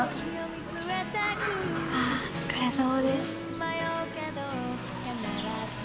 ああお疲れさまです。